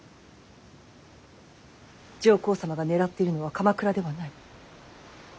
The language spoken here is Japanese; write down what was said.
上皇様が狙っているのは鎌倉ではない。